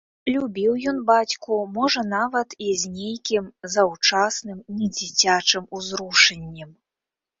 Любіў ён бацьку можа нават і з нейкім заўчасным недзіцячым узрушэннем.